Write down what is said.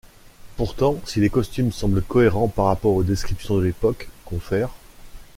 Pourtant, si les costumes semblent cohérents par rapport aux descriptions de l'époque, cf.